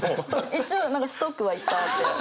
一応何かストックはいっぱいあって。